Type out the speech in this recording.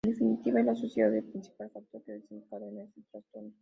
En definitiva, es la soledad el principal factor que desencadena este trastorno.